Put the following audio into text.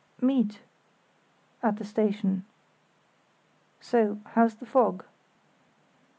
".....meet?" "At the station." "So—how's the fog?"